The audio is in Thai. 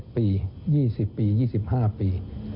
ปี๒๐ปี๒๕ปี